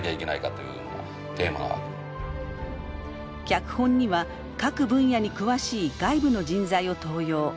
脚本には各分野に詳しい外部の人材を登用。